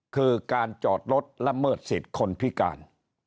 คือการจอดรถละเมิดสิทธิ์คนพิการ